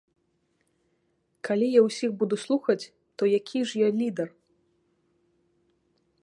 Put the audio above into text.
Калі я ўсіх буду слухаць, то які ж я лідар?